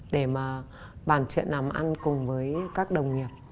để mà bàn chuyện làm ăn cùng với các đồng nghiệp